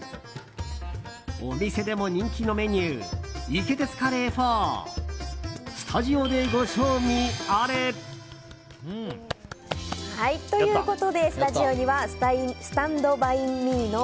お店でも人気のメニューイケテツカレーフォースタジオでご賞味あれ！ということでスタジオにはスタンドバインミーの